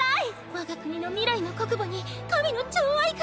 我が国の未来の国母に神の寵愛が。